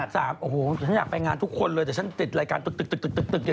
โอ้โหฉันอยากไปงานทุกคนเลยแต่ฉันติดรายการตึกเนี่ย